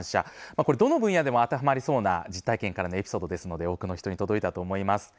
これ、どの分野でも当てはまりそうな実体験からのエピソードですので多くの人に届いたと思います。